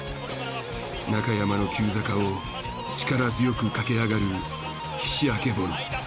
中山の急坂を力強く駆け上がるヒシアケボノ。